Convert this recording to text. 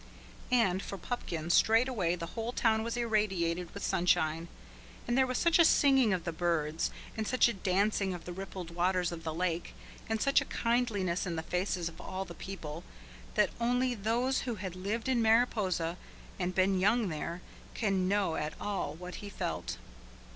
And, for Pupkin, straight away the whole town was irradiated with sunshine, and there was such a singing of the birds, and such a dancing of the rippled waters of the lake, and such a kindliness in the faces of all the people, that only those who have lived in Mariposa, and been young there, can know at all what he felt.